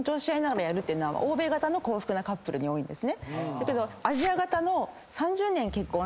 だけど。